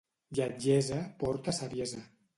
Lletgesa porta saviesa.